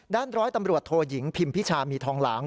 ร้อยตำรวจโทยิงพิมพิชามีทองหลาง